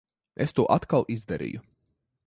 Es to atkal izdarīju.